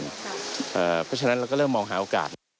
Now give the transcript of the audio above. เพราะฉะนั้นเราก็เริ่มมองหาโอกาส